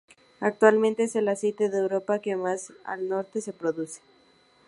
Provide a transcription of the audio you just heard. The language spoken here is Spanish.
Actualmente es el aceite de Europa que más al norte se produce.